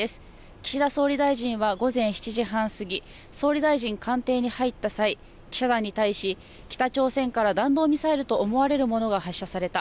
岸田総理大臣は午前７時半過ぎ、総理大臣官邸に入った際、記者団に対し北朝鮮から弾道ミサイルと思われるものが発射された。